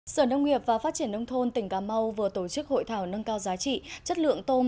sở nông nghiệp và phát triển nông thôn tỉnh cà mau vừa tổ chức hội thảo nâng cao giá trị chất lượng tôm